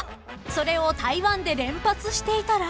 それを台湾で連発していたら］